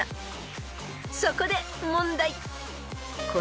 ［そこで問題］